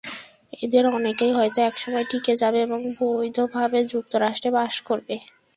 এদের অনেকেই হয়তো একসময় টিকে যাবে এবং বৈধভাবেই যুক্তরাষ্ট্রে বাস করবে।